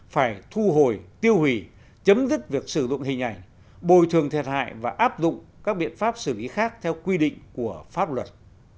phải thu hồi tiêu hủy chấm dứt việc sử dụng hình ảnh bồi thường thiệt hại và áp dụng các biện pháp xử lý khác theo quy định của pháp luật